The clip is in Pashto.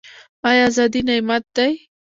آیا ازادي نعمت دی؟